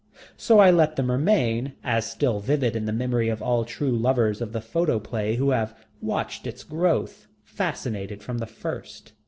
So I let them remain, as still vivid in the memory of all true lovers of the photoplay who have watched its growth, fascinated from the first.